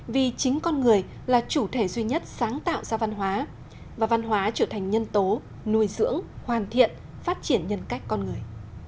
vì chính con người là chủ thể duy nhất sáng tạo ra văn hóa và văn hóa trở thành nhân tố nuôi dưỡng hoàn thiện phát triển nhân cách con người